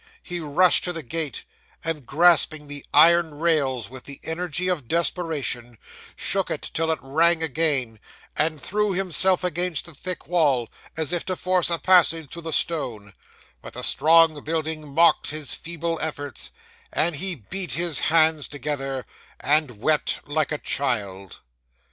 He rushed to the gate, and grasping the iron rails with the energy of desperation, shook it till it rang again, and threw himself against the thick wall as if to force a passage through the stone; but the strong building mocked his feeble efforts, and he beat his hands together and wept like a child.